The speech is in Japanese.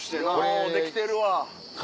ようできてるわ。